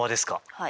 はい。